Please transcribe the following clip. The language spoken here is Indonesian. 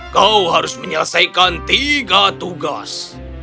kau harus menyelesaikan tiga tugas